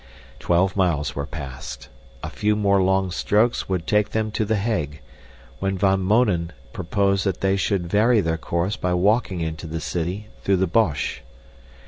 Twelve miles were passed. A few more long strokes would take them to The Hague, when Van Mounen proposed that they should vary their course by walking into the city through the Bosch.